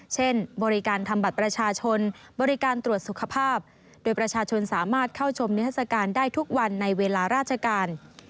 เช่นบริการทำบัตรประชาชนบริการตรวจสุขภาพโดยประชาชนสามารถเข้าชมนิทัศกาลได้ทุกวันในเวลาราชการ